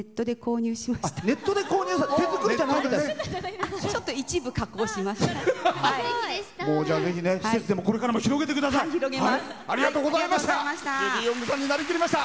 ネットで購入しました。